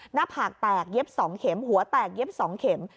หน้าผากแตกเย็บ๒เข็มหัวแตกเย็บ๒เข็ม